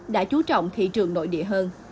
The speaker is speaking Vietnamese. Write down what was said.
đã chú trọng thị trường nội địa hơn